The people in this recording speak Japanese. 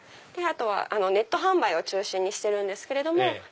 あとはネット販売を中心にしてるんですけれども。